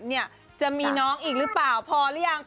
ปล่อยชิดจันปิดหรือยัง